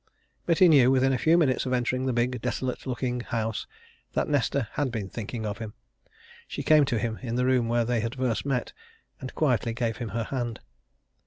But he knew, within a few minutes of entering the big, desolate looking house, that Nesta had been thinking of him. She came to him in the room where they had first met, and quietly gave him her hand.